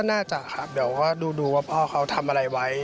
น่าจะครับเดี๋ยวก็ดูว่าพ่อเขาทำอะไรไว้